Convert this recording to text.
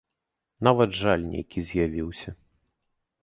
Нават жаль нейкі з'явіўся.